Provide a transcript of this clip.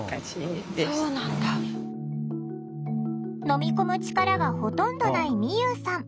飲み込む力がほとんどないみゆうさん。